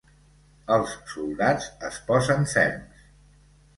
Els soldats es posen ferms.